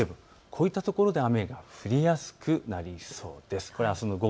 こういったところで雨が降りやすくなりそうです。